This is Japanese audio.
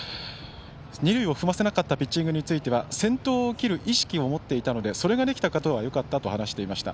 二塁を踏ませなかったピッチングについては先頭を切る意識を持っていたのでそれができたことはよかったと話していました。